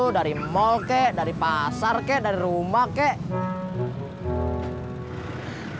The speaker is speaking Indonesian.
dari mall kek dari pasar kek dari rumah kek